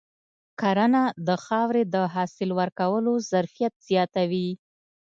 کرنه د خاورې د حاصل ورکولو ظرفیت زیاتوي.